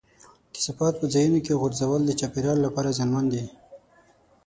کثافات په ځایونو کې غورځول د چاپېریال لپاره زیانمن دي.